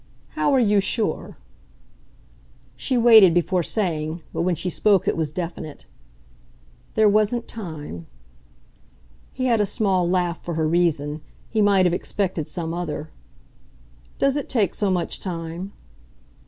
"How are you sure?" She waited before saying, but when she spoke it was definite. "There wasn't time." He had a small laugh for her reason; he might have expected some other. "Does it take so much time?"